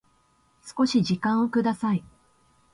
少し時間をください